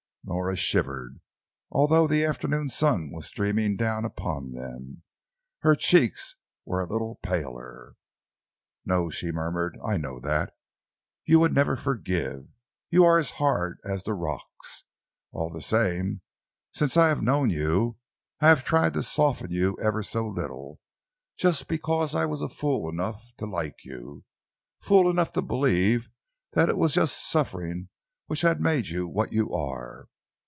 Nora shivered, although the afternoon sun was streaming down upon them. Her cheeks were a little paler. "No," she murmured, "I know that. You would never forgive. You are as hard as the rocks. All the time since I have known you, I have tried to soften you ever so little, just because I was fool enough to like you, fool enough to believe that it was just suffering which had made you what you are.